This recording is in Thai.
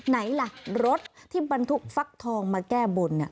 ไหนล่ะรถที่บรรทุกฟักทองมาแก้บน